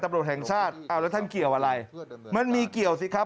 ตำรวจแห่งชาติเอาแล้วท่านเกี่ยวอะไรมันมีเกี่ยวสิครับ